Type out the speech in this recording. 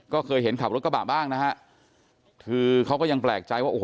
ก็เคยเห็นขับรถกระบะบ้างนะฮะคือเขาก็ยังแปลกใจว่าโอ้โห